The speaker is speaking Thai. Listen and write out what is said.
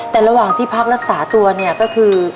แต่ระหว่างที่พักรักษาตัวเนี่ยก็คือ